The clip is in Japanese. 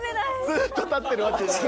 ずっと立ってるわけじゃない。